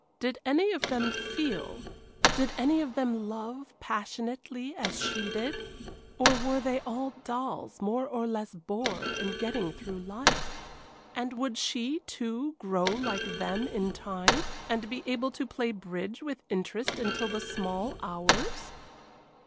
Did any of them feel did any of them love passionately as she did? or were they all dolls more or less bored and getting through life? And would she, too, grow like them in time, and be able to play bridge with interest until the small hours?